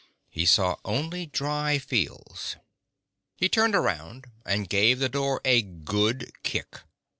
He saw only dry fields. He turned around and gave the door a good kick.